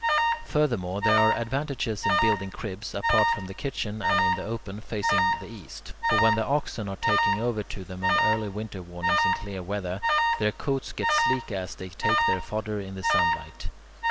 Furthermore, there are advantages in building cribs apart from the kitchen and in the open, facing the east; for when the oxen are taken over to them on early winter mornings in clear weather, their coats get sleeker as they take their fodder in the sunlight.